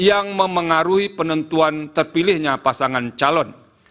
yang memengaruhi penentuan terpilihnya pasangan calon